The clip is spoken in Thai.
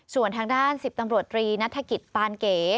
ส่วนทางด้านสิบตำรวจรีณฑกิจปานเก